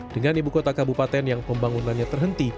dengan ibu kota kabupaten yang pembangunannya terhenti